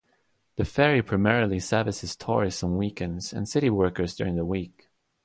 The ferry primarily services tourists on weekends and city workers during the week.